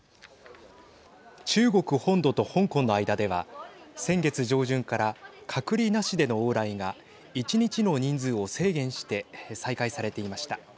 中国本土と香港の間では先月上旬から隔離なしでの往来が１日の人数を制限して再開されていました。